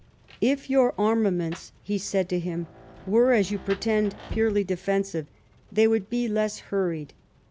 " If your armaments," he said to him, " were, as you pretend, purely defensive, they would bo less hurried.